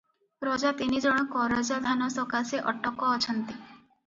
ପ୍ରଜା ତିନିଜଣ କରଜା ଧାନ ସକାଶେ ଅଟକ ଅଛନ୍ତି ।